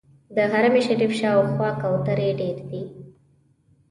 د حرم شریف شاوخوا کوترې ډېرې دي.